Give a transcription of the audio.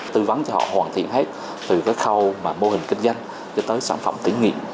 tư vấn cho họ hoàn thiện hết từ cái khâu mà mô hình kinh doanh cho tới sản phẩm tiện nghiệp